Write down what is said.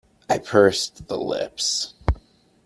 I pursed the lips.